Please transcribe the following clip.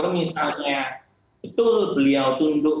misalnya betul beliau tunduk